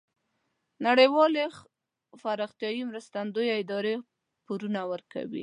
نړیوالې پراختیایې مرستندویه ادارې پورونه ورکوي.